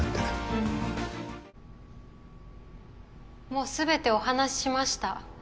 もうすべてお話ししました。